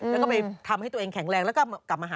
แล้วก็ไปทำให้ตัวเองแข็งแรงแล้วก็กลับมาหา